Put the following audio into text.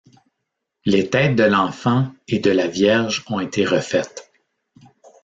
Les têtes de l’Enfant et de la Vierge ont été refaites.